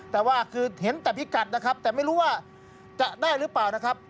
แต่ว่าคือเห็นแต่พิกัดนะครับแต่ไม่รู้ว่าจะได้หรือเปล่านะครับ